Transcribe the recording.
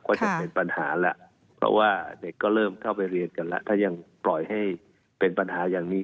ก็จะเป็นปัญหาแล้วเพราะว่าเด็กก็เริ่มเข้าไปเรียนกันแล้วถ้ายังปล่อยให้เป็นปัญหาอย่างนี้